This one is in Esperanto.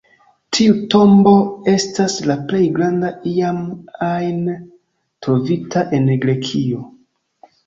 Tiu tombo estas la plej granda iam ajn trovita en Grekio.